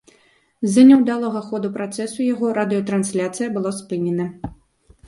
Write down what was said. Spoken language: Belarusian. З-за няўдалага ходу працэсу яго радыётрансляцыя была спынена.